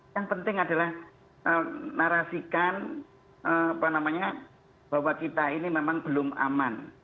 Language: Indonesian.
yang penting adalah narasikan bahwa kita ini memang belum aman